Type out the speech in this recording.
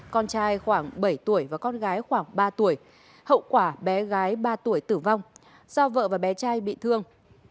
con trai khoảng bảy tuổi và con gái khoảng ba tuổi hậu quả bé gái ba tuổi tử vong do vợ và bé trai bị thương